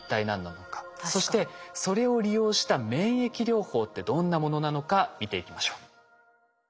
そしてそれを利用した免疫療法ってどんなものなのか見ていきましょう。